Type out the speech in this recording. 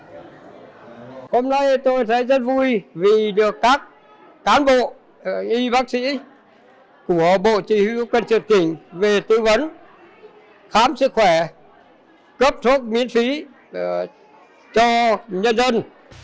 hôm nay tôi thấy rất vui vì được các cán bộ y bác sĩ của bộ chỉ huy quân sự tỉnh về tư vấn khám sức khỏe cấp thuốc miễn phí cho nhân dân